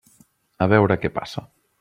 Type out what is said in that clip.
A veure què passa.